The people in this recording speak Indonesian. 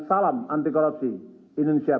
salam anti korupsi indonesia